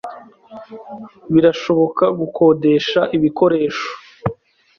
Birashoboka gukodesha ibikoresho?